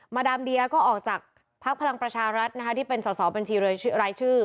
ดามเดียก็ออกจากพักพลังประชารัฐนะคะที่เป็นสอสอบัญชีรายชื่อ